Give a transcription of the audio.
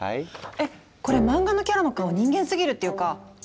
えっこれ漫画のキャラの顔人間すぎるっていうか